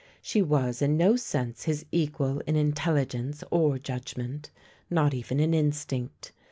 She was in no sense his equal in intelligence or judg ment, nor even in instinct.